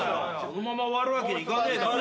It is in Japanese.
このまま終わるわけにはいかねえだろ。